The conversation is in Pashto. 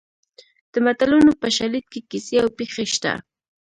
د متلونو په شالید کې کیسې او پېښې شته